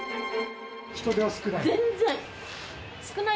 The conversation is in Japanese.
人出は少ない？